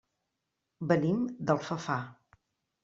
Venim d'Alfafar.